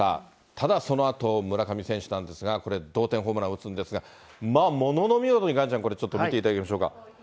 ただそのあと、村上選手なんですが、これ、同点ホームラン打つんですが、まあものの見事に、岩ちゃん、これちょっと見ていただきましょうか。